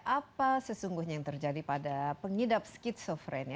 apa sesungguhnya yang terjadi pada pengidap skizofrenia